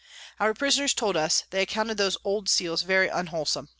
Our Prisoners told us, they accounted those old Seals very unwholesom.